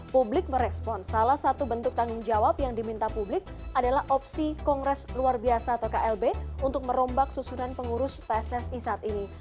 publik merespon salah satu bentuk tanggung jawab yang diminta publik adalah opsi kongres luar biasa atau klb untuk merombak susunan pengurus pssi saat ini